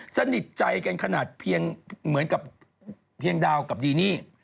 สนิทใจกันขนาดเพียงเหมือนกับเพียงดาวกับดีนี่